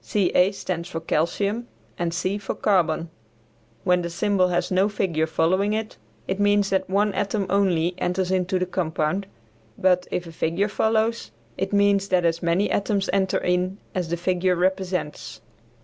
Ca stands for calcium and C for carbon. When the symbol has no figure following it, it means that one atom only enters into the compound; but if a figure follows, it means that as many atoms enter in as the figure represents.